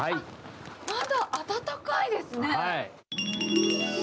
まだ温かいですね。